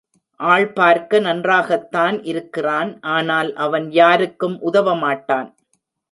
ஆள் பார்க்க நன்றாகத்தான் இருக்கிறான் ஆனால் அவன் யாருக்கும் உதவமாட்டான்.